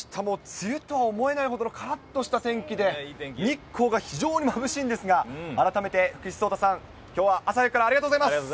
梅雨と思えないほどのからっとした天気で、日光が非常にまぶしいんですが、改めて福士蒼汰さん、きょうは朝早くからありがとうございます。